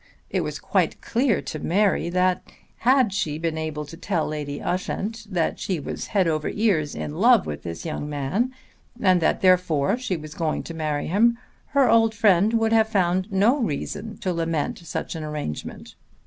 It was quite clear to Mary that had she been able to tell Lady Ushant that she was head over ears in love with this young man and that therefore she was going to marry him, her old friend would have found no reason to lament such an arrangement.